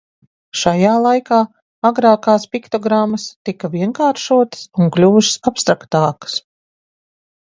Šajā laikā agrākās piktogrammas tika vienkāršotas un kļuvušas abstraktākas.